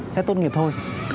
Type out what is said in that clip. sẽ tốt nghiệp thôi